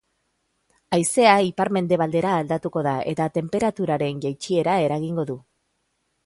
Haizea ipar-mendebaldera aldatuko da eta tenperaturaren jaitsiera eragingo du.